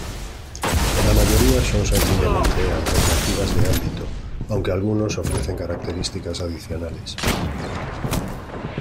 La mayoría son sencillamente alternativas de ámbito, aunque algunos ofrecen características adicionales.